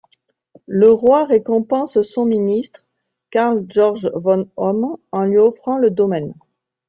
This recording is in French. Le roi récompense son ministre, Karl Georg von Hoym en lui offrant le domaine.